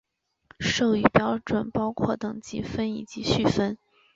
授予标准包括等级分以及序分。